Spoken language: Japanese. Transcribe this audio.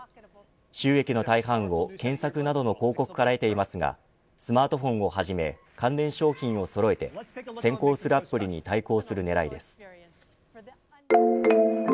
収益の大半を検索などの広告から得ていますがスマートフォンをはじめ関連商品をそろえて先行するアップルに対抗する狙いです。